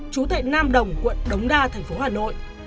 trú tại nam đồng quận đống đa tp hà nội